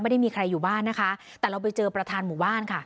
ไม่ได้มีใครอยู่บ้านนะคะแต่เราไปเจอประธานหมู่บ้านค่ะ